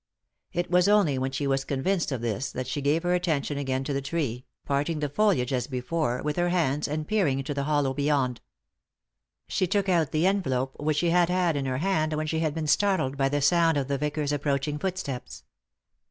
It was only when she was convinced of this that she gave her attention again to the tree, parting the foliage, as before, with her hands, and peering into the hollow beyond. She took out the envelope which she had had in her hand when she had been startled by the sound of the vicar's approaching footsteps.